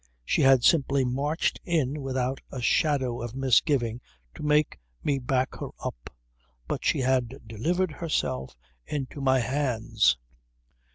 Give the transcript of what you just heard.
She had simply marched in without a shadow of misgiving to make me back her up. But she had delivered herself into my hands